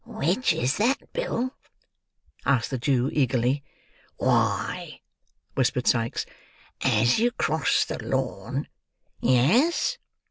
"Which is that, Bill?" asked the Jew eagerly. "Why," whispered Sikes, "as you cross the lawn—" "Yes?"